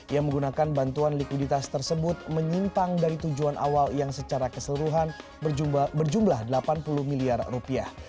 yang menggunakan bantuan likuiditas tersebut menyimpang dari tujuan awal yang secara keseluruhan berjumlah delapan puluh miliar rupiah